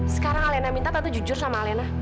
sekarang alena minta tentu jujur sama alena